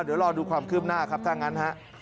เดี๋ยวรอดูความคืบหน้าครับถ้างั้นฮะ